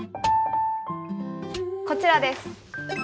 こちらです。